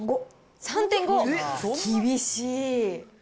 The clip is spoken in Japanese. ３．５、厳しい。